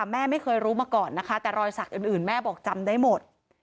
แม่ไม่เคยรู้มาก่อนนะคะแต่รอยสักอื่นแม่บอกจำได้หมด